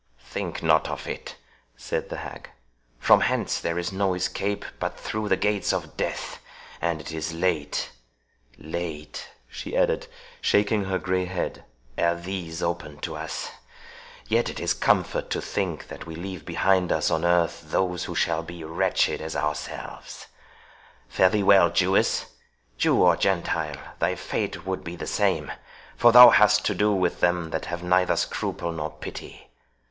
"Think not of it," said the hag; "from hence there is no escape but through the gates of death; and it is late, late," she added, shaking her grey head, "ere these open to us—Yet it is comfort to think that we leave behind us on earth those who shall be wretched as ourselves. Fare thee well, Jewess!—Jew or Gentile, thy fate would be the same; for thou hast to do with them that have neither scruple nor pity.